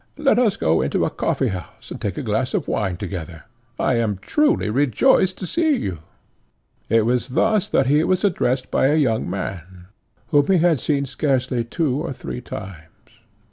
Let us go into a coffeehouse, and take a glass of wine together. I am truly rejoiced to see you." It was thus that he was addressed by a young man, whom he had seen scarcely two or three times.